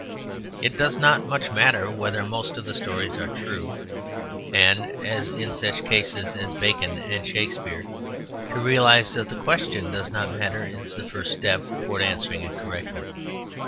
It does not much matter whether most of the stories are true; and (as in such cases as Bacon and Shakespeare) to realize that the question does not matter is the first step towards answering it correctly.